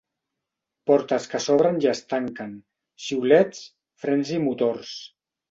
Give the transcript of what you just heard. Portes que s'obren i es tanquen, xiulets, frens i motors.